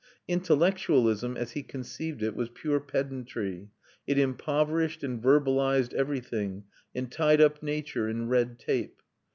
Intellectualism, as he conceived it, was pure pedantry; it impoverished and verbalised everything, and tied up nature in red tape.